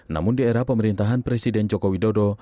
namun di era pemerintahan presiden joko widodo